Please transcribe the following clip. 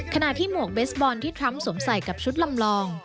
ขณะที่หมวกเบสบอร์นที่ทรัมพ์สวมใส่กับชุดลำลอง